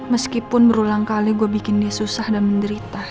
meskipun berulang kali gue bikin dia susah dan menderita